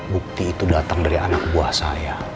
bukti itu datang dari anak buah saya